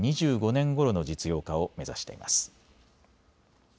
２０２５年ごろの実用化を目指しています。